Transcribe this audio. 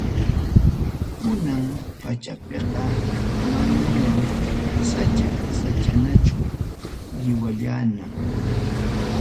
Kunan pachapiqa manañam sacha-sachañachu, lliwallañam.